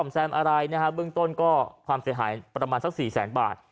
แซมอะไรนะฮะเบื้องต้นก็ความเสียหายประมาณสัก๔แสนบาท